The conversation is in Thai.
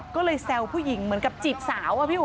ก็เลยแซวผู้หญิงเหมือนกับจีบสาว